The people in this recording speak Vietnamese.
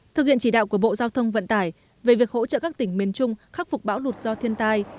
thực hiện chỉ đạo của bộ giao thông vận tải về việc hỗ trợ các tỉnh miền trung khắc phục bão lụt do thiên tai